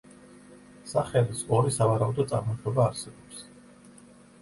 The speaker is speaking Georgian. სახელის ორი სავარაუდო წარმოშობა არსებობს.